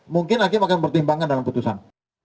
mungkin hakim akan bertimbangkan dalam putusan